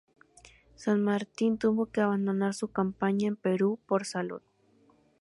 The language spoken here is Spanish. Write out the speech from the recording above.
San Martín tuvo que abandonar su campaña en Perú por su salud.